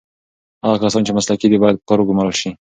هغه کسان چې مسلکي دي باید په کار وګمـارل سي.